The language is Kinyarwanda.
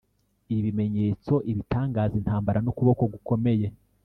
ibimenyetso, ibitangaza, intambara n’ukuboko gukomeye